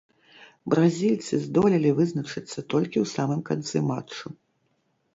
Бразільцы здолелі вызначыцца толькі ў самым канцы матчу.